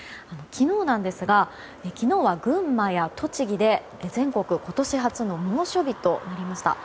昨日なんですが群馬や栃木で全国今年初の猛暑日となりました。